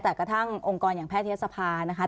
แต่กระทั่งองค์กรอย่างแพทยศภานะคะ